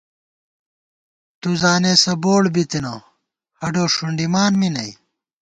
تُوزانېسہ بوڑ بِتَنہ ، ہڈو ݭُنڈِمان می نئ